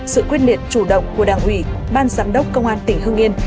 sự quyết liệt chủ động của đảng ủy ban giám đốc công an tỉnh hưng yên